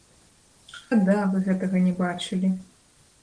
Шкада, вы гэтага не бачылі.